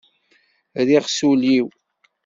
Rriɣ s ul-iw.